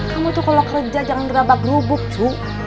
kamu tuh kalau kerja jangan derabak gerubuk cu